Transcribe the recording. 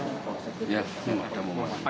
iya ini ada umar